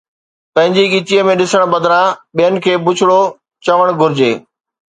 پنهنجي ڳچيءَ ۾ ڏسڻ بدران ٻين کي بڇڙو چوڻ گهرجي